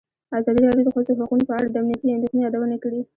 ازادي راډیو د د ښځو حقونه په اړه د امنیتي اندېښنو یادونه کړې.